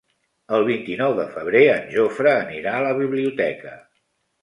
El vint-i-nou de febrer en Jofre anirà a la biblioteca.